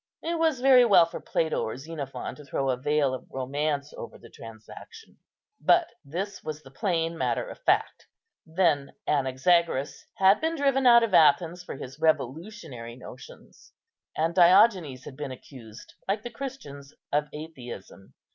It was very well for Plato or Xenophon to throw a veil of romance over the transaction, but this was the plain matter of fact. Then Anaxagoras had been driven out of Athens for his revolutionary notions; and Diogenes had been accused, like the Christians, of atheism.